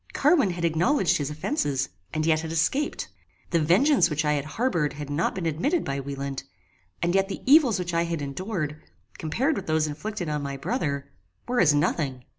Carwin had acknowledged his offences, and yet had escaped. The vengeance which I had harboured had not been admitted by Wieland, and yet the evils which I had endured, compared with those inflicted on my brother, were as nothing.